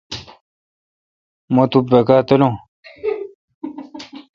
مہ تو بکا تلون۔